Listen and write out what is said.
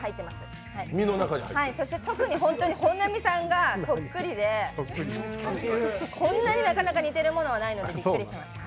特に本当に本並さんがそっくりでこんなになかなか似ているものはないのでびっくりしました。